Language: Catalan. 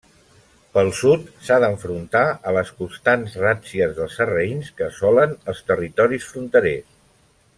Pel sud s'ha d'enfrontar a les constants ràtzies dels sarraïns que assolen els territoris fronterers.